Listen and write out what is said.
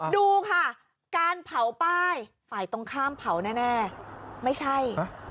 ดูค่ะการเผาป้ายฝ่ายตรงข้ามเผาแน่ไม่ใช่